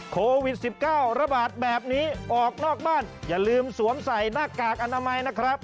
โควิด๑๙ระบาดแบบนี้ออกนอกบ้านอย่าลืมสวมใส่หน้ากากอนามัยนะครับ